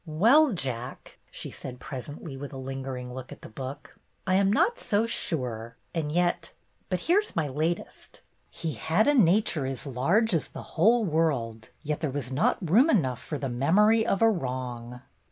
"Well, Jack," she said presently, with a lingering look at the book, "I 'm not so sure. And yet — But here 's my latest: 'He had a nature as large as the whole world, yet there was not room enough for the memory of a wrong.